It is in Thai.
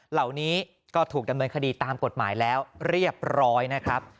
เหล่านี้ก็ถูกดำเนินคดีตามกฎหมายแล้วเรียบร้อยนะครับ